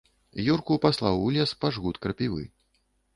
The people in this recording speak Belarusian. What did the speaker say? Юрку паслаў у лес па жгут крапівы.